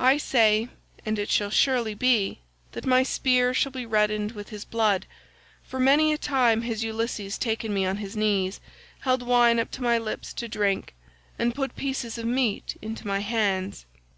I say—and it shall surely be—that my spear shall be reddened with his blood; for many a time has Ulysses taken me on his knees, held wine up to my lips to drink, and put pieces of meat into my hands.